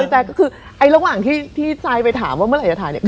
แจ๊คก็คือไอ้ระหว่างที่ซายไปถามว่าเมื่อไหร่จะถ่ายเนี่ย